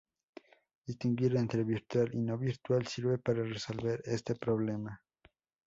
Distinguir entre virtual y no virtual sirve para resolver este problema.